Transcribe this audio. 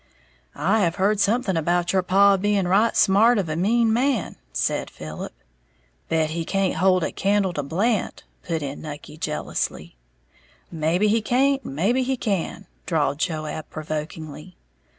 "I have heared something about your paw being right smart of a mean man," said Philip. "Bet he can't hold a candle to Blant," put in Nucky, jealously. "Maybe he can't, and maybe he can," drawled Joab, provokingly.